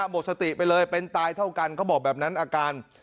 หมดสติไปเลยเป็นตายเท่ากันเขาบอกแบบนั้นอาการ